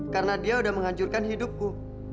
karena dia sudah menghancurkan hidupku